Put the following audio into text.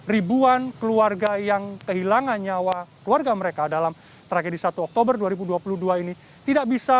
ribuan keluarga yang kehilangan nyawa keluarga mereka dalam tragedi satu oktober dua ribu dua puluh dua ini tidak bisa